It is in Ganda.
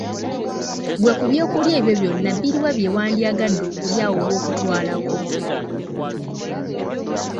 Ggwe ku by'okulya ebyo byonna biluwa byewandyagadde okulya oba okutwalako?